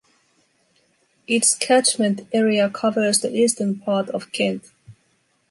Its catchment area covers the eastern part of Kent.